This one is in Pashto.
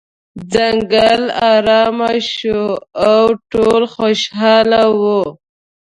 ځنګل ارامه شو او ټول خوشحاله وو.